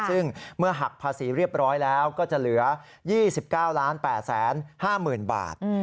ซึ่งเมื่อหักภาษีเรียบร้อยแล้วก็จะเหลือ๒๙๘๕๐๐๐บาท